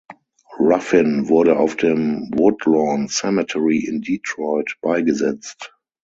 Ruffin wurde auf dem Woodlawn Cemetery in Detroit beigesetzt.